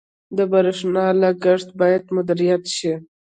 • د برېښنا لګښت باید مدیریت شي.